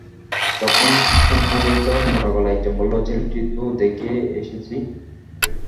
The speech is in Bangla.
তখন শ্লেষ্মাজড়িত মোটা গলায় একজন বলল, ছেলেটি তো দেখি এসেছে।